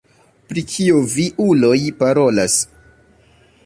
Pri kio vi uloj parolas?